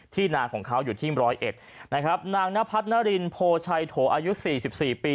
นาของเขาอยู่ที่ร้อยเอ็ดนะครับนางนพัฒนารินโพชัยโถอายุ๔๔ปี